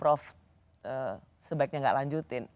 prof sebaiknya nggak lanjutin